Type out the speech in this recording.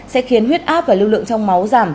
sẽ khiến huyết áp và lưu lượng trong máu giảm